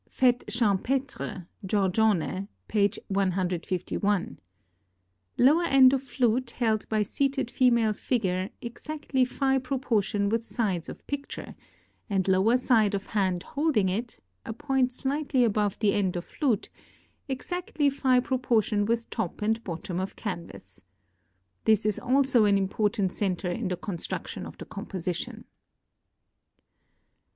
"Fête Champêtre," Giorgione, page 151 [Transcribers Note: Plate XXXIII]. Lower end of flute held by seated female figure exactly Phi proportion with sides of picture, and lower side of hand holding it (a point slightly above the end of flute) exactly Phi proportion with top and bottom of canvas. This is also an important centre in the construction of the composition.